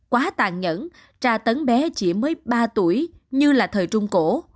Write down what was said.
quá tàn nhẫn tra tấn bé chỉ mới ba tuổi như là thời trung cổ